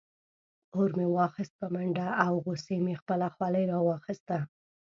اور مې واخیست په منډه او غصې مې خپله خولۍ راواخیسته.